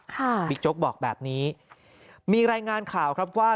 บิ๊กโจ๊กบอกแบบนี้มีรายงานข่าวครับว่า